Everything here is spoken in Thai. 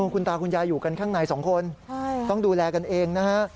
คุณตาคุณยายอยู่กันข้างในสองคนต้องดูแลกันเองนะฮะ